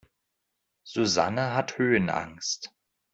Susanne hat Höhenangst.